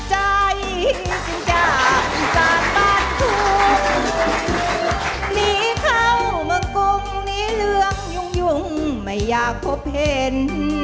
หนีเข้าเมืองกรุงหนีเรืองยุ่งไม่อยากพบเห็น